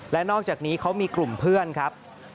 และนอกจากนี้เขามีกลุ่มเพื่อนครับ